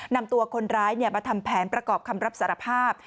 นำตัวคนร้ายมาทำแผนประกอบคำรับสารภาพ